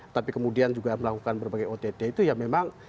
tapi kemudian juga melakukan berbagai ott itu ya memang